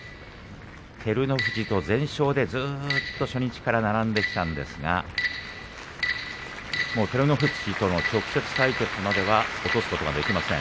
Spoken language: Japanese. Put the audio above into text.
照ノ富士と全勝でずっと初日から並んできたんですが照ノ富士との直接対決まで落とすことができません。